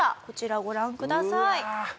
こちらをご覧ください。